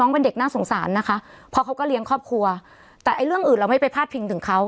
พ่อเขาก็เลี้ยงครอบครัวแต่ไอ้เรื่องอื่นเราไม่ไปพลาดพิงถึงเขา